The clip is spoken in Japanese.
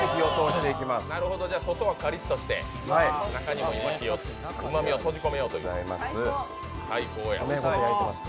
外はカリッとしてうまみを閉じ込めようという。